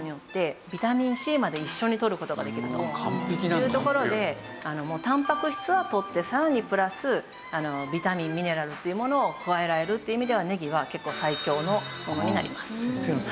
というところでたんぱく質はとってさらにプラスビタミンミネラルというものを加えられるという意味ではねぎは結構最強のものになります。